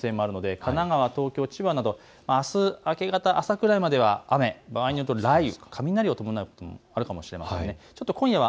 神奈川、東京、千葉など、あす朝くらいまでは雨、場合によっては雷を伴うこともあるかもしれません。